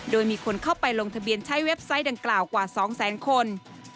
โดยมีคนเข้าไปลงทะเบียนใช้เว็บไซต์ดังกล่าวกว่า๒แสนคน